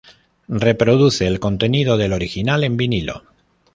Reproduce el contenido del original en vinilo.